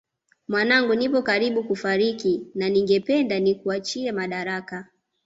Mwanangu nipo karibu kufariki na ningependa nikuachie madaraka